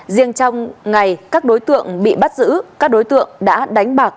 riêng trong ngày các đối tượng bị bắt giữ các đối tượng đã đánh bạc